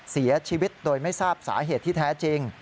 เสียชีวิตโดยไม่ทราบสาเหตุที่แท้จริง